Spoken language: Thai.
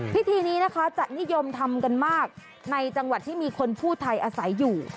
พิธีนี้นะคะจะนิยมทำกันมากในจังหวัดที่มีคนผู้ไทยอาศัยอยู่